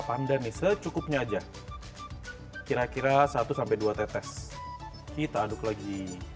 pandan nih secukupnya aja kira kira satu sampai dua tetes kita aduk lagi